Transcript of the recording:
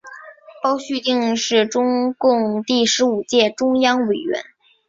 包叙定是中共第十五届中央委员。